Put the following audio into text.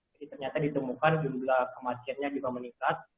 jadi ternyata ditemukan jumlah kematiannya juga meningkat